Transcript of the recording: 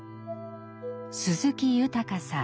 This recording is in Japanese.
鈴木豊さん。